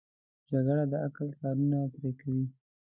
جګړه د عقل تارونه پرې کوي